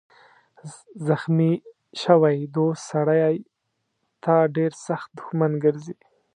زخمي شوی دوست سړی ته ډېر سخت دښمن ګرځي.